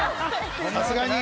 さすがに。